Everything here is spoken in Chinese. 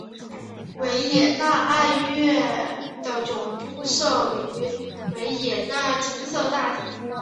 维也纳爱乐的总部设于维也纳金色大厅。